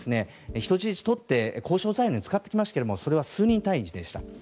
人質をとって交渉材料に使ってきましたけどもそれは数人単位でした。